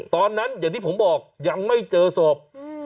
ตอนนั้นอย่างที่ผมบอกยังไม่เจอศพ